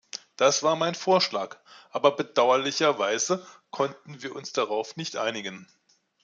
Das war mein Vorschlag, aber bedauerlicherweise konnten wir uns darauf nicht einigen.